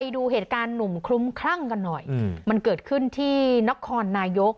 ดูเหตุการณ์หนุ่มคลุ้มคลั่งกันหน่อยมันเกิดขึ้นที่นครนายก